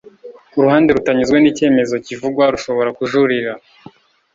uruhande rutanyuzwe n icyemezo kivugwa rushobora kujurira